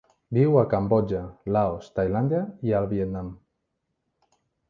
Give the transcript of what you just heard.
Viu a Cambodja, Laos, Tailàndia i el Vietnam.